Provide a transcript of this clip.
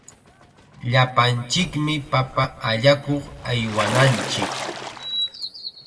Llapanchikmi papa allakuq aywananchik.